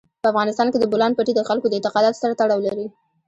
په افغانستان کې د بولان پټي د خلکو د اعتقاداتو سره تړاو لري.